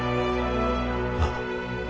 ああ